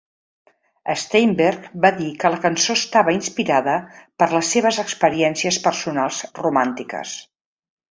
Steinberg va dir que la cançó estava inspirada per les seves experiències personals romàntiques.